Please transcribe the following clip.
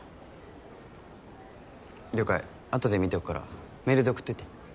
了解後で見ておくからメールで送っておいて。